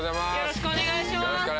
よろしくお願いします。